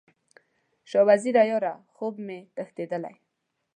شاه وزیره یاره، خوب مې تښتیدلی